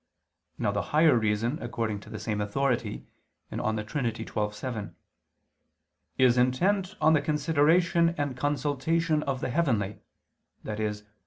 Now the higher reason according to the same authority (De Trin. xii, 7) "is intent on the consideration and consultation of the heavenly," i.e.